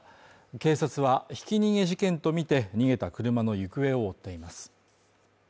警察はひき逃げ事件とみて逃げた車の行方を追っています。